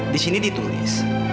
di sini ditulis